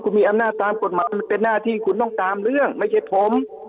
คุณมีอำนาจตามกฎหมายมันเป็นหน้าที่คุณต้องตามเรื่องไม่ใช่ผม